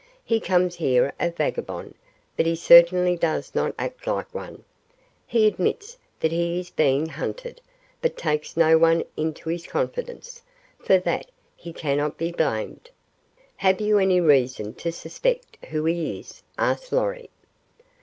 He comes here a vagabond, but he certainly does not act like one. He admits that he is being hunted, but takes no one into his confidence. For that, he cannot be blamed." "Have you any reason to suspect who he is?" asked Lorry.